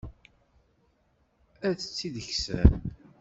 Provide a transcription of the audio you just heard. Ad tt-id-kksen?